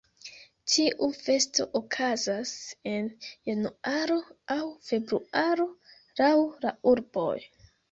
Tiu festo okazas en januaro aŭ februaro laŭ la urboj.